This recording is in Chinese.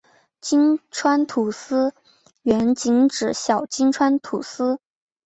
金川土司原仅指小金川土司。